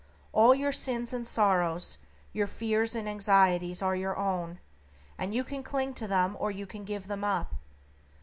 All your sins and sorrows, your fears and anxieties are your own, and you can cling to them or you can give them up.